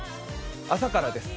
朝からです。